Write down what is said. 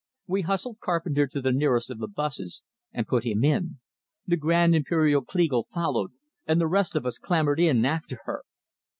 We hustled Carpenter to the nearest of the busses, and put him in; the Grand Imperial Kleagle followed, and the rest of us clambered in after her.